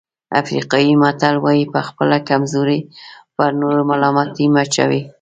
افریقایي متل وایي په خپله کمزوري پر نورو ملامتي مه اچوئ.